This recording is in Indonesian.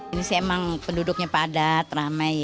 ini emang penduduknya padat ramai ya